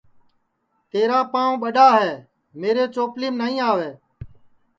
تیرا پانٚو ٻڈؔا ہے میرے چوپلیم نائی آوے